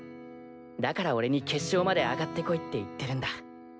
だから俺に決勝まで上がってこいって言ってるんだ。